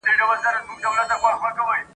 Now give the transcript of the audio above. چي د زرکي پر دانه باندي نظر سو ..